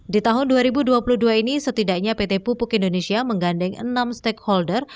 di tahun dua ribu dua puluh dua ini setidaknya pt pupuk indonesia menggandeng enam stakeholder